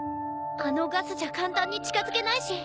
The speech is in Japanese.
あのガスじゃ簡単に近づけないし。